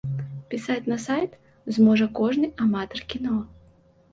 Пісаць на сайт зможа кожны аматар кіно.